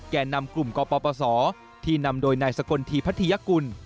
แก่นำกลุ่มกปศที่นำโดยนายสกลทีพัทยกุล